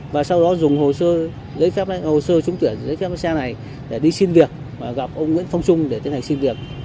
và sau đó dùng hồ sơ trúng tuyển giấy phép lái xe này để đi xin việc và gặp ông nguyễn phong trung để tiến hành xin việc